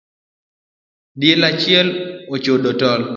Diel achiel ochodo tol